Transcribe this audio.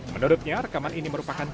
menurutnya rekaman ini merupakan